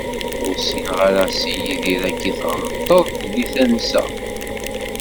Ur ssineɣ ara Si Yidir-agi, tɣelṭeḍ di tansa.